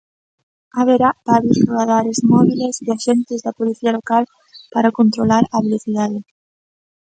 Haberá varios radares móbiles e axentes da Policía Local para controlar a velocidade.